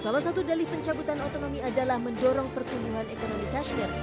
salah satu dalih pencabutan otonomi adalah mendorong pertumbuhan ekonomi kashler